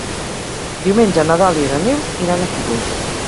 Diumenge na Dàlia i na Neus iran a Fígols.